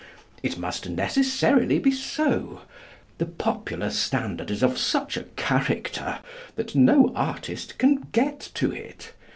It must necessarily be so. The popular standard is of such a character that no artist can get to it.